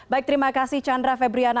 baik terima kasih chandra febriana